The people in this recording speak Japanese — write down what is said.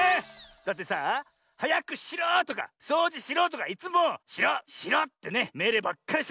だってさあ「はやくしろ！」とか「そうじしろ！」とかいつも「しろしろ」ってねめいれいばっかりしてるもんねえ。